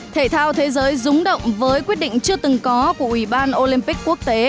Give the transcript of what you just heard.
thể thao thế giới rúng động với quyết định chưa từng có của ủy ban olympic quốc tế